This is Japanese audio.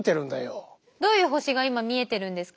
どういう星が今見えてるんですか？